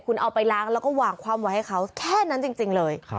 คุณเอาไปล้างแล้วก็วางคว่ำไว้ให้เขาแค่นั้นจริงเลย